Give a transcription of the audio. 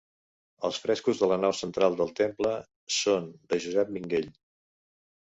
Els frescos de la nau central del temple són de Josep Minguell.